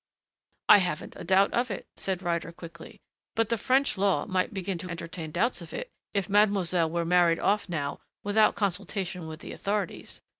"I haven't a doubt of it," said Ryder quickly, "but the French law might begin to entertain doubts of it, if mademoiselle were married off now without consultation with the authorities....